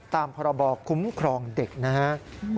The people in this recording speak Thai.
ตามพระบอกคุ้มครองเด็กนะฮะ